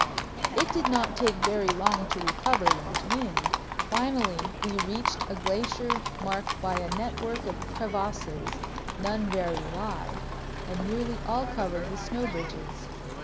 It did not take very long to recover one's wind. Finally we reached a glacier marked by a network of crevasses, none very wide, and nearly all covered with snow bridges.